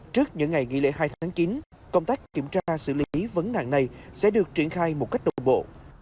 trước những ngày nghị lễ hai tháng chín công tác kiểm tra xử lý vấn nạn này sẽ được triển khai một cách đồng bộ